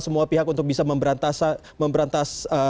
semua pihak untuk bisa memberantas